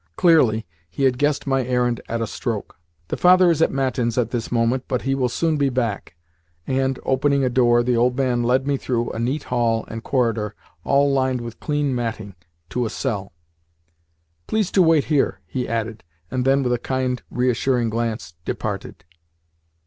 Clearly he had guessed my errand at a stroke. "The father is at matins at this moment, but he will soon be back," and, opening a door, the old man led me through a neat hall and corridor, all lined with clean matting, to a cell. "Please to wait here," he added, and then, with a kind, reassuring glance, departed.